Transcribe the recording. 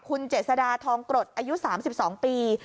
คุณเจษฎาทองกรดอายุ๓๒ปี